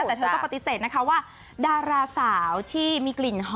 แต่เธอก็ปฏิเสธนะคะว่าดาราสาวที่มีกลิ่นหอม